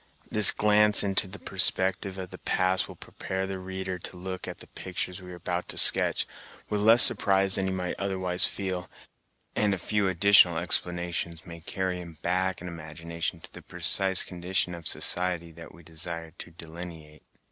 This glance into the perspective of the past will prepare the reader to look at the pictures we are about to sketch, with less surprise than he might otherwise feel; and a few additional explanations may carry him back in imagination to the precise condition of society that we desire to delineate.